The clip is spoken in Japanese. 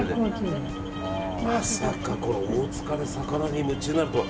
まさか大塚で魚に夢中になるとは。